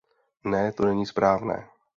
Ne, to není správné.